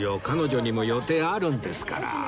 彼女にも予定あるんですから